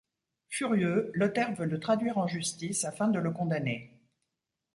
Furieux, Lothaire veut le traduire en justice afin de le condamner.